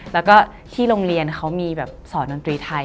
แล้วก็ที่โรงเรียนเขามีแบบสอนดนตรีไทย